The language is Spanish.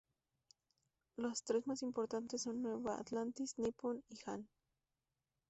Las tres más importantes son Nueva Atlantis, Nippon y Han.